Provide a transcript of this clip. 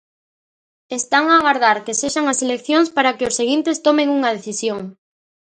"Están a agardar que sexan as eleccións para que os seguintes tomen unha decisión".